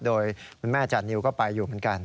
โดยคุณแม่จานิวก็ไปอยู่เหมือนกัน